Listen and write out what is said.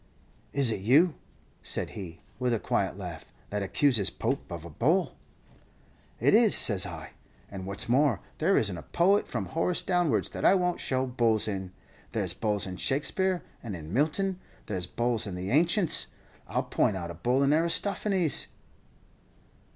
"'Is it you,' said he, with a quiet laugh, 'that accuses Pope of a bull?' "'It is,' says I; 'and, what's more, there isn't a poet from Horace downwards that I won't show bulls in; there's bulls in Shakspeare and in Milton; there's bulls in the ancients; I 'll point out a bull in Aristophanes.'